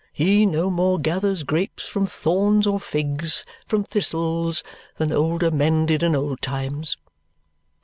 He no more gathers grapes from thorns or figs from thistles than older men did in old times."